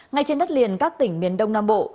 ngay trên đất liền các tỉnh miền đông nam bộ